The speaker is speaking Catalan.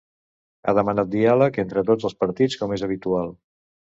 Ha demanat diàleg entre tots els partits, com és habitual.